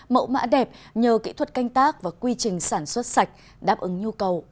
mẫu mã đẹp nhờ kỹ thuật canh tác và quy trình sản xuất sạch đáp ứng nhu cầu